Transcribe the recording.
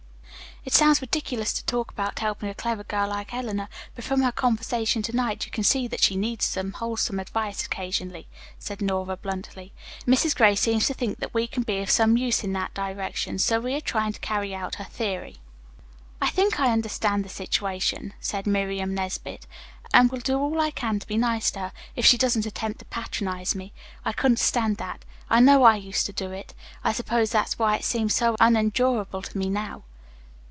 "It sounds ridiculous to talk about helping a clever girl like Eleanor, but from her conversation to night you can see that she needs some wholesome advice occasionally," said Nora bluntly. "Mrs. Gray seems to think we can be of some use in that direction, so we are trying to carry out her theory." "I think I understand the situation," said Miriam Nesbit, "and will do all I can to be nice to her, if she doesn't attempt to patronize me. I couldn't stand that. I know I used to do it. I suppose that's why it seems so unendurable to me now."